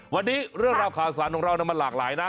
วันนี้เรื่องราวข่าวสารของเรามันหลากหลายนะ